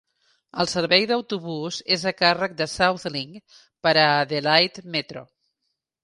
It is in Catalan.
El servei d'autobús és a càrrec de SouthLink per a Adelaide Metro.